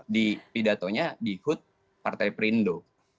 di pidatonya di hut partai perindo